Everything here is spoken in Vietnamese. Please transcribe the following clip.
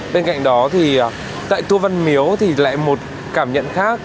bên cạnh đó thì tại tour văn miếu thì lại một cảm nhận khác